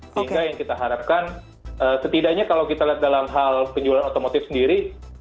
sehingga yang kita harapkan setidaknya kalau kita lihat dalam hal penjualan otomotif sendiri